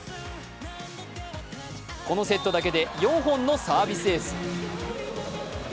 このセットだけで４本のサービスエース。